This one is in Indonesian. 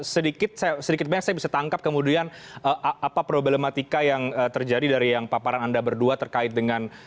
sedikit sedikit banyak saya bisa tangkap kemudian apa problematika yang terjadi dari yang paparan anda berdua terkait dengan